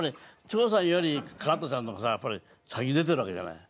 長さんより加トちゃんの方がやっぱり先出てるわけじゃない？